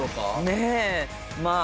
ねえまあ。